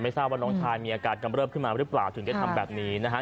ทราบว่าน้องชายมีอาการกำเริบขึ้นมาหรือเปล่าถึงได้ทำแบบนี้นะฮะ